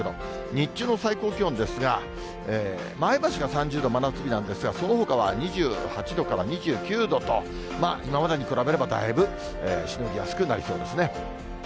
日中の最高気温ですが、前橋が３０度、真夏日なんですが、そのほかは２８度から２９度と、今までに比べれば、だいぶしのぎやすくなりそうですね。